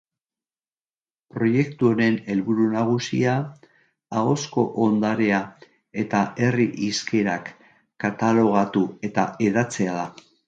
Proiektu honen helburu nagusia ahozko ondarea eta herri hizkerak katalogatu eta hedatzea da.